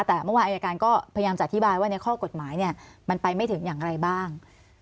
แต่เมื่อวานอายการก็พยายามจะอธิบายว่าในข้อกฎหมายมันไปไม่ถึงอย่างไรบ้าง